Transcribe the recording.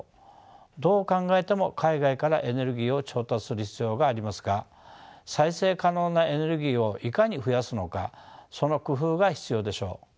どう考えても海外からエネルギーを調達する必要がありますが再生可能なエネルギーをいかに増やすのかその工夫が必要でしょう。